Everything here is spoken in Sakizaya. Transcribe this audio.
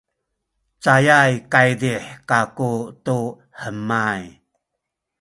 cayay kaydih kaku tu hemay